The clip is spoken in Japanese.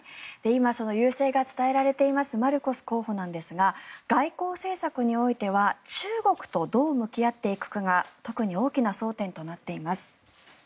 今優勢が伝えられていますマルコス候補ですが外交政策においては中国とどう向き合っていくかが特に大きな争点となっています。